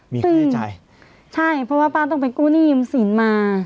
มีความเย็นใจใช่เพราะว่าป้าต้องไปกูนียมสินมา